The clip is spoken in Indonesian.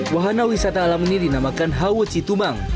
wahana wisata alam ini dinamakan how are you chitumang